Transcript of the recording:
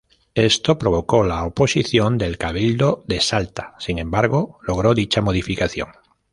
Esto provocó la oposición del cabildo de Salta, sin embargo logró dicha modificación.